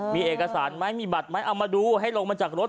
มีเอกสารไหมมีบัตรไหมเอามาดูให้ลงมาจากรถ